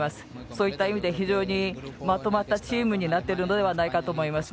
そういった意味ではまとまったチームになっているのではないかと思います。